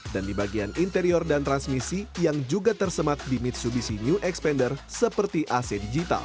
dan di bagian interior dan transmisi yang juga tersemat di mitsubishi new xpander seperti ac digital